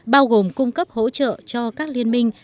bao gồm cung cấp hỗ trợ cho các liên minh